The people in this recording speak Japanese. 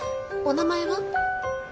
お名前は？